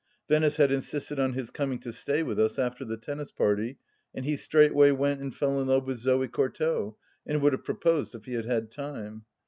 Venice had insisted on his coming to stay with us after the tennis party, and he straightway went and fell in love with Zoe Courtauld, and would have proposed if he had had time.